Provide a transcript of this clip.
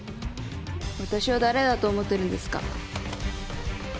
私を誰だと思ってるんですか？